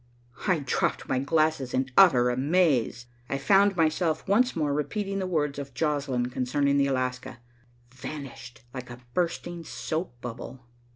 I dropped my glasses in utter amaze. I found myself once more repeating the words of Joslinn concerning the Alaska. "Vanished like a bursting soap bubble."